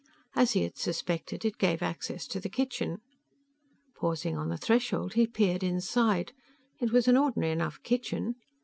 As he had suspected, it gave access to the kitchen. Pausing on the threshold, he peered inside. It was an ordinary enough kitchen.